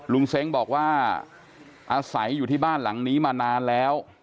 เซ้งบอกว่าอาศัยอยู่ที่บ้านหลังนี้มานานแล้ว